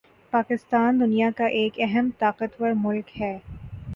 پاکستان دنیا کا ایک اہم طاقتور ملک ہے